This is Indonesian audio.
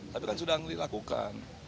tapi kan sudah dilakukan